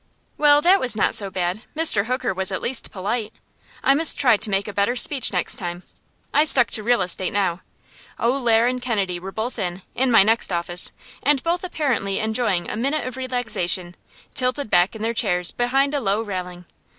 Well, that was not so bad. Mr. Hooker was at least polite. I must try to make a better speech next time. I stuck to real estate now. O'Lair & Kennedy were both in, in my next office, and both apparently enjoying a minute of relaxation, tilted back in their chairs behind a low railing.